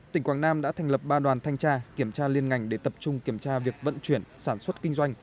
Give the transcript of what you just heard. tỉnh quảng nam đã thành lập ba đoàn thanh tra kiểm tra liên ngành để tập trung kiểm tra việc vận chuyển sản xuất kinh doanh